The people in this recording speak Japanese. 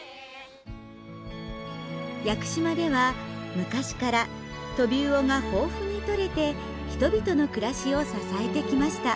屋久島では昔からトビウオが豊富に取れて人々の暮らしを支えてきました。